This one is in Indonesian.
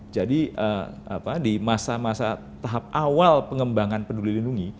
jadi di masa masa tahap awal pengembangan penduli lindungi